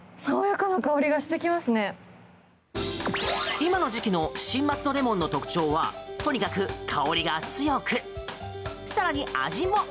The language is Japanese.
今の時期の新松戸レモンの特徴はとにかく香りが強く更に、味も。